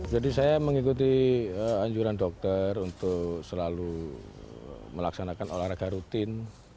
jadi saya mengikuti anjuran dokter untuk selalu melaksanakan olahraga rutin